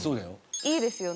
いいですよね。